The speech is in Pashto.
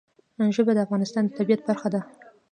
ژبې د افغانستان د طبیعت برخه ده.